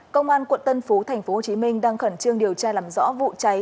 công an quận tân phú tp hcm đang khẩn trương điều tra làm rõ vụ cháy